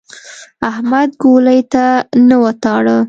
احمد ګولۍ ته نه وتاړه.